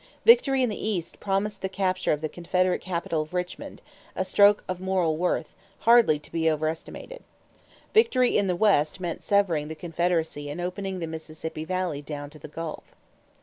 Victory in the East promised the capture of the Confederate capital of Richmond, a stroke of moral worth, hardly to be overestimated. Victory in the West meant severing the Confederacy and opening the Mississippi Valley down to the Gulf.